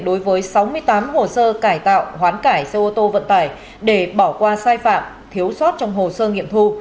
đối với sáu mươi tám hồ sơ cải tạo hoán cải xe ô tô vận tải để bỏ qua sai phạm thiếu sót trong hồ sơ nghiệm thu